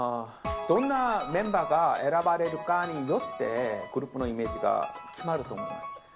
どんなメンバーが選ばれるかによって、グループのイメージが決まると思います。